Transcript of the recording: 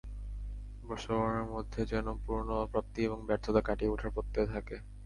বর্ষবরণের মধ্যে যেন পুরোনো অপ্রাপ্তি এবং ব্যর্থতা কাটিয়ে ওঠার প্রত্যয় থাকে।